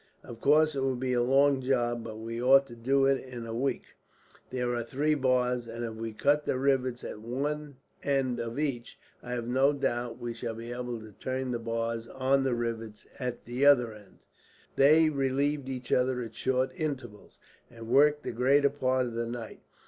"Of course it will be a long job, but we ought to do it in a week. There are three bars, and if we cut the rivets at one end of each, I have no doubt we shall be able to turn the bars on the rivets at the other end." They relieved each other at short intervals, and worked the greater part of the night.